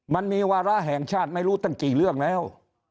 มันมีวาระแห่งชาติไม่รู้ตั้งกี่เรื่องแล้ว